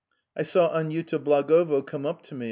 I saw Aniuta Blagovo come up to me.